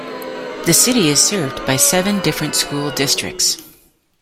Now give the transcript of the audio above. The city is served by seven different school districts.